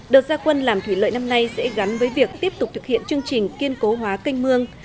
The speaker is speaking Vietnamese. đợt gia quân làm thủy lợi năm nay sẽ gắn với việc tiếp tục thực hiện chương trình kiên cố hóa kênh mương